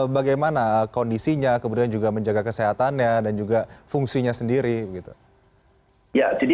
bagaimana kondisinya kemudian juga menjaga kesehatannya dan juga fungsinya sendiri gitu